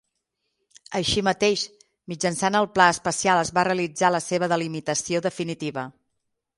Així mateix, mitjançant el Pla especial es va realitzar la seva delimitació definitiva.